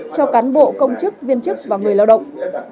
cho cán bộ công chức viên chức và người lao động